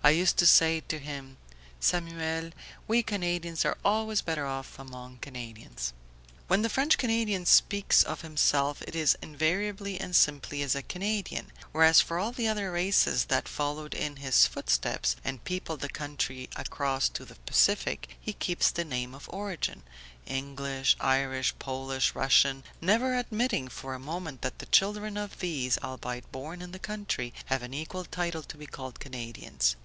I used to say to him 'Samuel, we Canadians are always better off among Canadians.'" When the French Canadian speaks of himself it is invariably and simply as a "Canadian"; whereas for all the other races that followed in his footsteps, and peopled the country across to the Pacific, he keeps the name of origin: English, Irish, Polish, Russian; never admitting for a moment that the children of these, albeit born in the country, have an equal title to be called "Canadians."